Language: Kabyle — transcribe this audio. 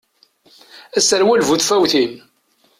Aserwal bu tfawtin.